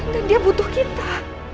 dan dia butuh kita